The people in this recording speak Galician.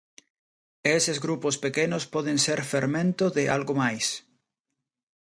E eses grupos pequenos poden ser fermento de algo máis.